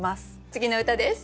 次の歌です。